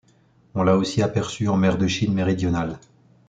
On l'a aussi aperçu en mer de Chine méridionale.